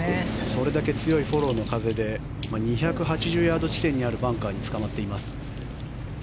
それだけ強いフォローの風で２８０ヤード地点にあるバンカーにつかまっています。